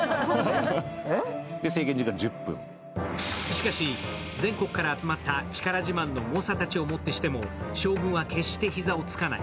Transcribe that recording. しかし全国から集まった力自慢の猛者をもってしても将軍は決して膝をつかない。